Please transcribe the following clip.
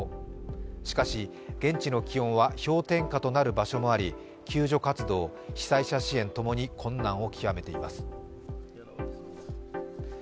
しかし現地の気温は氷点下となる場所もあり救助活動、被災者支援ともに困難を極めています。